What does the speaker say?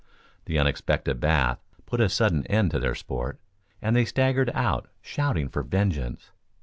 The unexpected bath put a sudden end to their sport, and they staggered out shouting for vengeance.